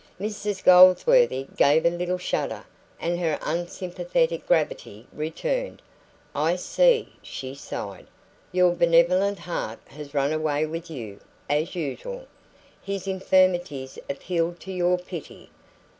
Mrs Goldsworthy gave a little shudder, and her unsympathetic gravity returned. "I see," she sighed. "Your benevolent heart has run away with you, as usual. His infirmities appealed to your pity.